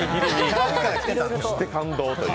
そして感動という。